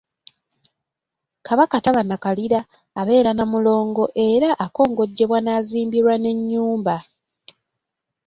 Kabaka taba nakalira, abeera na Mulongo era akongojjebwa n’azimbirwa n’ennyumba.